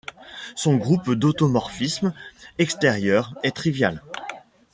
Son groupe d'automorphismes extérieurs est trivial.